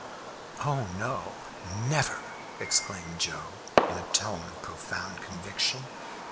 "Oh no, never!" exclaimed Joe, in a tone of profound conviction.